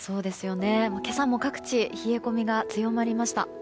今朝も各地冷え込みが強まりました。